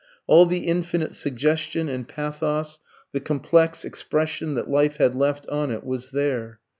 All the infinite suggestion and pathos, the complex expression that life had left on it, was there.